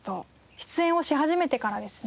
出演をし始めてからですね